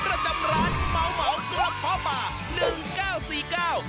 ประจำร้านเหมาเหมากระเพาะป่าหนึ่งเก้าสี่เก้า